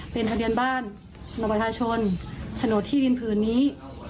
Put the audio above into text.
เป็นทะเบียนบ้านสนวัตถาชนสนดที่ดินผืนนี้